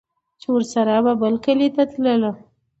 چې ورسره به بل کلي ته تلله